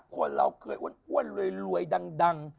คนเราเคยอ้วนรวยดัง